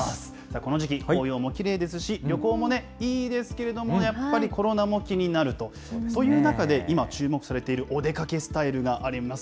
この時期、紅葉もきれいですし、旅行もね、いいですけれども、やっぱりコロナも気になると。という中で今、注目されているお出かけスタイルがあります。